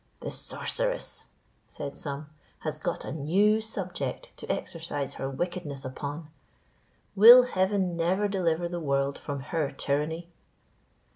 "The sorceress," said some, "has got a new subject to exercise her wickedness upon; will heaven never deliver the world from her tyranny?"